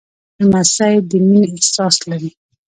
لمسی د مینې احساس لري.